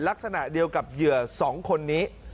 ลักษณะเดียวกับเหยื่อ๒คนนี้